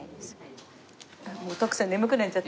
もう徳さん眠くなっちゃった。